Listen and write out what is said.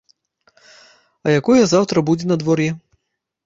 А якое заўтра будзе надвор'е?